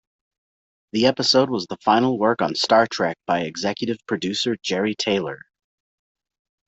The episode was the final work on "Star Trek" by executive producer Jeri Taylor.